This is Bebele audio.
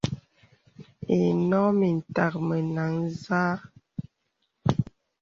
Ìnɔ̄k mìtak mə nɛn zâ.